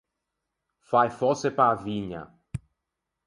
Fâ e fòsse pe-a vigna.